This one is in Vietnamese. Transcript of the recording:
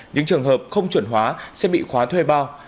những trường hợp không chuẩn hóa sẽ bị khóa thuê bao